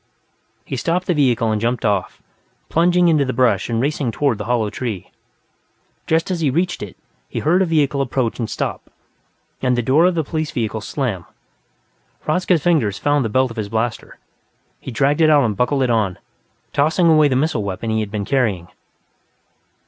He stopped the vehicle and jumped off, plunging into the brush and racing toward the hollow tree. Just as he reached it, he heard a vehicle approach and stop, and the door of the police vehicle slam. Hradzka's fingers found the belt of his blaster; he dragged it out and buckled it on, tossing away the missile weapon he had been carrying.